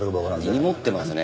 根に持ってますね。